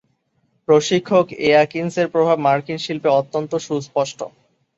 প্রশিক্ষক এয়াকিনসের প্রভাব মার্কিন শিল্পে অত্যন্ত সুস্পষ্ট।